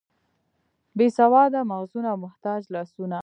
بې سواده مغزونه او محتاج لاسونه.